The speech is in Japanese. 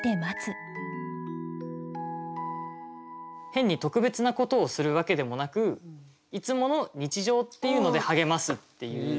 変に特別なことをするわけでもなくいつもの日常っていうので励ますっていう。